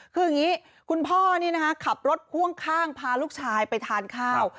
คืออย่างนี้คุณพ่อนี่นะคะขับรถพ่วงข้างพาลูกชายไปทานข้าว